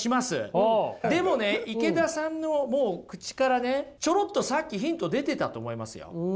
でもね池田さんのもう口からねちょろっとさっきヒント出てたと思いますよ。